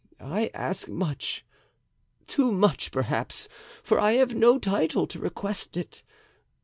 I ask much, too much, perhaps, for I have no title to request it.